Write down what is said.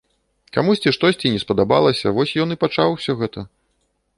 Камусьці штосьці не спадабалася, вось ён і пачаў усё гэта.